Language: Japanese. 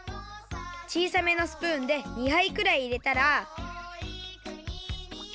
ちいさめのスプーンで２はいくらいいれたら。